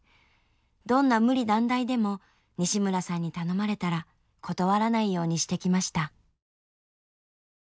どんな無理難題でも西村さんに頼まれたら断らないようにしてきました。